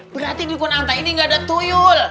berarti di kunanta ini gak ada tuyul